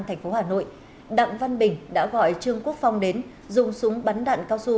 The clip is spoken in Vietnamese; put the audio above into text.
thành phố hà nội đặng văn bình đã gọi trương quốc phong đến dùng súng bắn đạn cao su